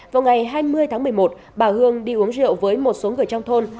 vào ngày hai mươi tháng một mươi một bà hương đi uống rượu với một số người trong thôn